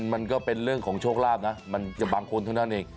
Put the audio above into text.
มันก็เป็นเรื่องของโชคลาภนะมันจะบางคนเท่านั้นเอง